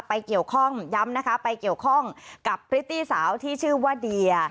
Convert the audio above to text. เกี่ยวข้องย้ำนะคะไปเกี่ยวข้องกับพริตตี้สาวที่ชื่อว่าเดีย